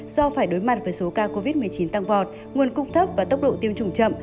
do phải đối mặt với số ca covid một mươi chín tăng vọt nguồn cung thấp và tốc độ tiêm chủng chậm